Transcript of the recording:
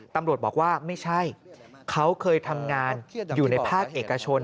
ตำรวจบอกว่าไม่ใช่เขาเคยทำงานอยู่ในภาคเอกชน